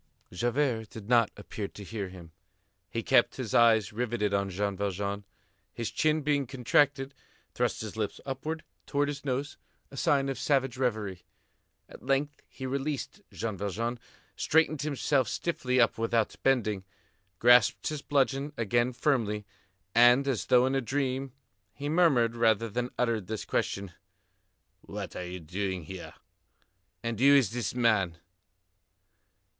Javert did not appear to hear him. He kept his eyes riveted on Jean Valjean. His chin being contracted, thrust his lips upwards towards his nose, a sign of savage reverie. At length he released Jean Valjean, straightened himself stiffly up without bending, grasped his bludgeon again firmly, and, as though in a dream, he murmured rather than uttered this question: "What are you doing here? And who is this man?"